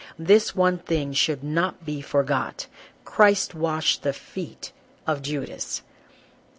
this one thing should not be forgot: Christ washed the feet of Judas.